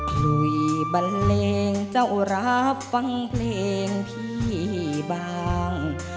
หลุยบันเลงเจ้ารับฟังเพลงพี่บาง